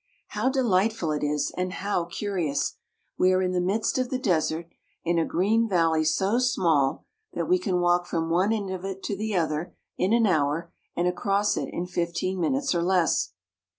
How delightful it is and how curious ! We are in the midst of the desert, in a green valley so small that we can walk from one end of it to the other in an hour and across it in fifteen minutes or less.